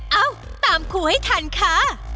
เอ้าตามครูให้ทันค่ะ